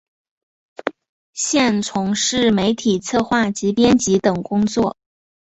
现从事媒体策划及编辑等工作。